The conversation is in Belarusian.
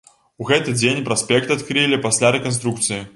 У гэты дзень праспект адкрылі пасля рэканструкцыі.